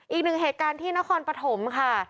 อีกหนึ่งเหตุการณ์ที่นครปฐมค่ะ